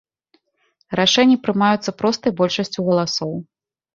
Рашэнні прымаюцца простай большасцю галасоў.